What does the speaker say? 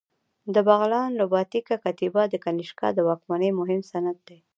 د بغلان د رباطک کتیبه د کنیشکا د واکمنۍ مهم سند دی